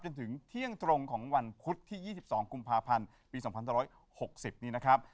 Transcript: จนถึงเที่ยงตรงของวันพุธที่๒๒กุมภาพันธ์ปี๒๑๖๐นี้นะครับ